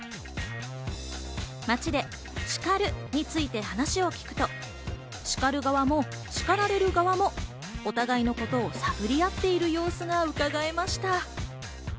街で「叱る」について話を聞くと、叱る側も叱られる側もお互いのことを探り合っている様子が伺えました。